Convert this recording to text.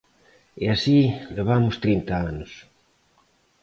E así levamos trinta anos.